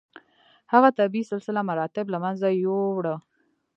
هغه طبیعي سلسله مراتب له منځه یووړه.